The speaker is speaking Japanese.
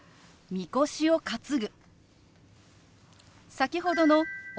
「みこしを担ぐ」。